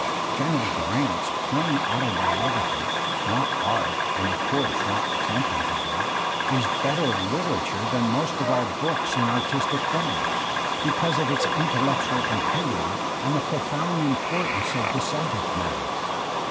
General Grajit ^ plain autobi ography, not art and of course not at tempting to be, is better Uterature than most of our books in artistic forms, because of its intellectual integrity and the profound importance of the subjeict matter.